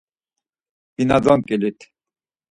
Bina donǩilit.